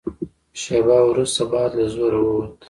شېبه وروسته باد له زوره ووت.